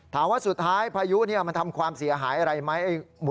ถามว่าสุดท้ายภายุนี่มันทำความเสียหายอะไรไหม